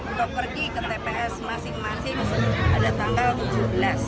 untuk pergi ke tps masing masing pada tanggal tujuh belas